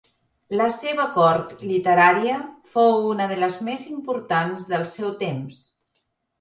La seva cort literària fou una de les més importants del seu temps.